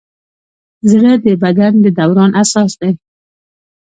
زړه د بدن د دوران اساس دی.